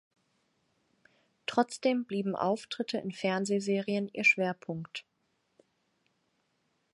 Trotzdem blieben Auftritte in Fernsehserien ihr Schwerpunkt.